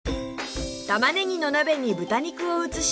玉ねぎの鍋に豚肉を移し